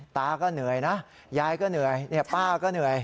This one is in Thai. ตาก็เหนื่อยนะยายก็เหนื่อยป้าก็เหนื่อย